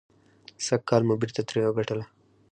سږکال مو بېرته ترې وګټله.